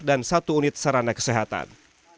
satu unit sarana kesehatan